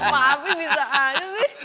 papi bisa aja sih